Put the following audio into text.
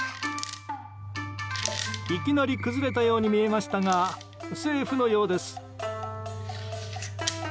いきなり崩れたように見えましたがセーフのようです。